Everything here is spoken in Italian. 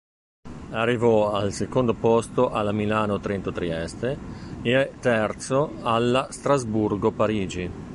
Arrivò al secondo posto alla Milano-Trento-Trieste e terzo alla Strasburgo-Parigi.